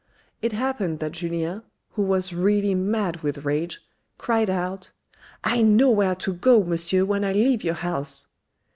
It happened that Julien, who was really mad with rage, cried out, " I know where to go, Monsieur, when I leave your house."